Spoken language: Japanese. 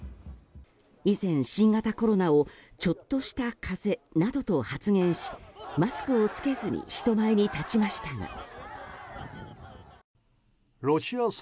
以前、新型コロナをちょっとした風邪などと発言しマスクを着けずに人前に立ちましたが。